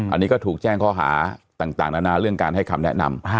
อันนี้ก็ถูกแจ้งข้อหาต่างนานาเรื่องการให้คำแนะนำ